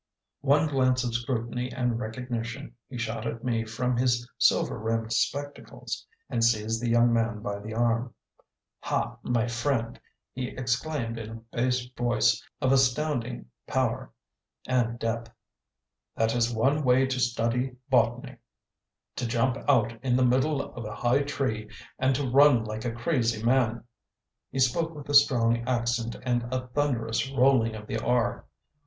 One glance of scrutiny and recognition he shot at me from his silver rimmed spectacles; and seized the young man by the arm. "Ha, my friend!" he exclaimed in a bass voice of astounding power and depth, "that is one way to study botany: to jump out of the middle of a high tree and to run like a crazy man!" He spoke with a strong accent and a thunderous rolling of the "r."